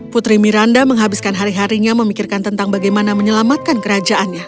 putri miranda menghabiskan hari harinya memikirkan tentang bagaimana menyelamatkan kerajaannya